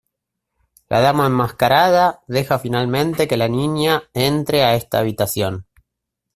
La Dama enmascarada deja finalmente que la Niña entre a esta habitación.